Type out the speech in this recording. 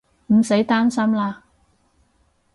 唔使擔心喇